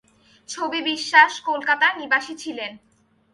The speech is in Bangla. ছবি বিশ্বাস কলকাতার নিবাসী ছিলেন।